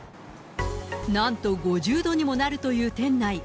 なんと５０度にもなるという店内。